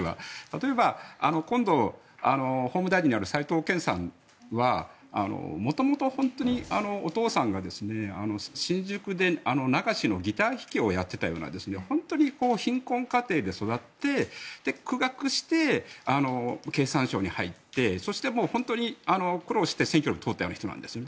例えば、今度、法務大臣になる斎藤健さんは元々、本当にお父さんが新宿で流しのギター弾きをやってたような本当に貧困家庭で育って苦学して、経産省に入ってそして、本当に苦労して選挙に通ったような人なんですね。